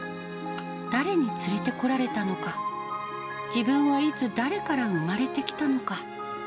誰に連れてこられたのか、自分はいつ、誰から産まれてきたのか。